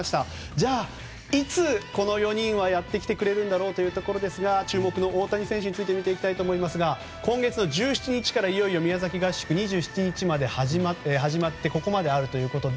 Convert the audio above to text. じゃあ、いつ、この４人はやってきてくれるんだろうということですが注目の大谷選手について見ていきたいと思いますが今月の１７日からいよいよ宮崎合宿２７日まで、始まってここまであるということで。